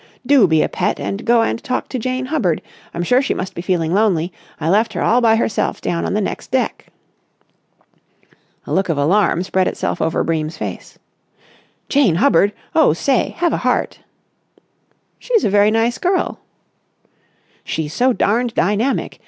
"Do be a pet and go and talk to Jane Hubbard. I'm sure she must be feeling lonely. I left her all by herself down on the next deck." A look of alarm spread itself over Bream's face. "Jane Hubbard! Oh, say, have a heart!" "She's a very nice girl." "She's so darned dynamic.